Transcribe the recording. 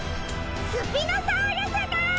スピノサウルスだ！